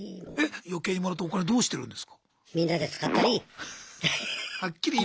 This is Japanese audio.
余計にもらったお金どうしてるんですか？